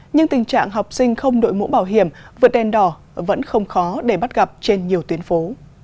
nhưng tình trạng học sinh không đội mũ bảo hiểm vượt đèn đỏ vẫn không khó để bắt gặp trên nhiều tuyến phố